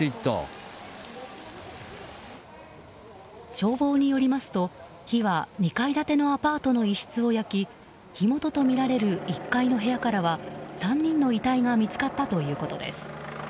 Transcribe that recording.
消防によりますと、火は２階建てのアパートの一室を焼き火元とみられる１階の部屋からは３人の遺体が見つかったということです。